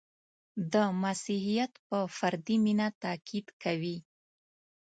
• مسیحیت په فردي مینه تأکید کوي.